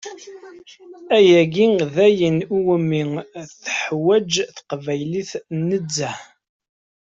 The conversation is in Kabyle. Ayagi d ayen iwumi teḥwaǧ teqbaylit nezzeh.